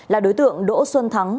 là đối tượng đỗ xuân thắng